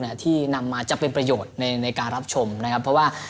ที่นำมาจะเป็นประโยชน์ในในการรับชมนะครับเพราะว่า